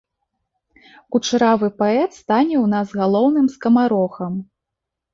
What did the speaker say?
Кучаравы паэт стане ў нас галоўным скамарохам.